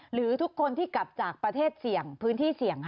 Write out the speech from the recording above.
หรือทุกคนที่กลับจากประเทศเสี่ยงพื้นที่เสี่ยง